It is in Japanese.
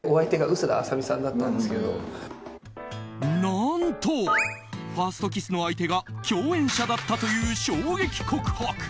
何と、ファーストキスの相手が共演者だったという衝撃告白。